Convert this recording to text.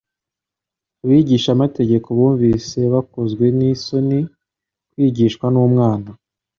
Abigisha mategeko bumvise bakozwe n'isoni kwigishwa n'umwana.